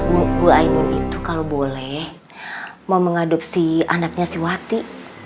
bu ainun itu kalau boleh mau mengadopsi anaknya si wati